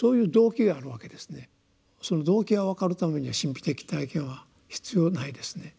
その動機が分かるためには神秘的体験は必要ないですね。